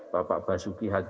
bapak basuki haji